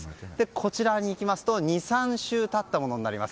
こちらに行きますと２３週経ったものになります。